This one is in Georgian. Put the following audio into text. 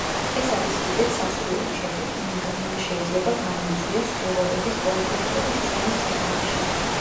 ეს არის კიდეც სასურველი შედეგი, მაგრამ მან შეიძლება გამოიწვიოს ხილვადობის კონფლიქტები სცენის სიღრმეში.